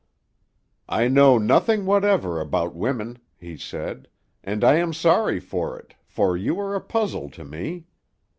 "I know nothing whatever about women," he said, "and I am sorry for it, for you are a puzzle to me.